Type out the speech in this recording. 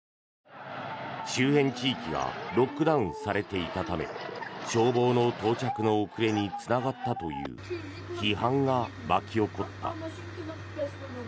周辺地域がロックダウンされていたため消防の到着の遅れにつながったという批判が巻き起こった。